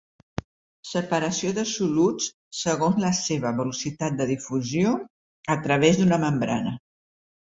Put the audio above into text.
Separació de soluts segons la seva velocitat de difusió a través d'una membrana.